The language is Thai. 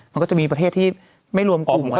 มันก็จะมีประเทศที่ไม่รวมกลุ่มอะไรอย่างนี้